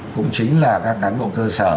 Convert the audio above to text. cũng chính là các cán bộ cơ sở